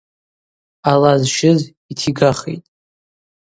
Ала зщыз йтигахитӏ.